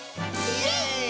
イエーイ！